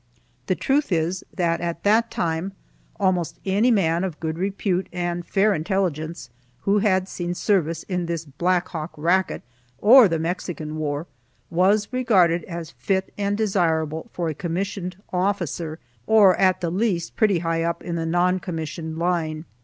The truth is that at that time almost any man of good repute and fair intelligence, who had seen service in this Black Hawk racket, or the Mexican war, was regarded as fit and desirable for a commissioned officer, or, at the least, pretty high up in the non commissioned line.